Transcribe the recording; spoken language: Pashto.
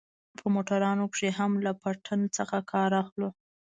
په موټرانو کښې هم له پټن څخه کار اخلو.